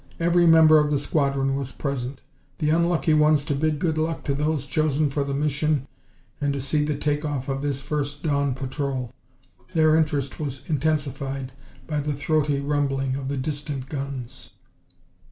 Every member of the squadron was present; the unlucky ones to bid good luck to those chosen for the mission and to see the take off of this first dawn patrol. Their interest was intensified by the throaty rumbling of the distant guns.